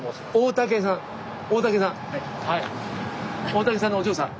大竹さん。